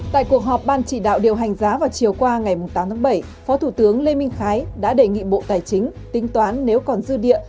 tại cuộc họp ban chỉ đạo điều hành giá vào chiều qua ngày tám tháng bảy phó thủ tướng lê minh khái đã đề nghị bộ tài chính tính toán nếu còn dư địa